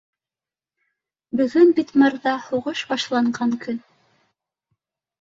Бөгөн бит, мырҙа, һуғыш башланған көн